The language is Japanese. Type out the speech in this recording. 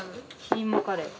キーマカレー。